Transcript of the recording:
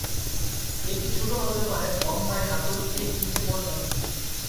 এটি ছোট হতে পারে, লম্বায় হাঁটুর ঠিক নীচে পর্যন্ত।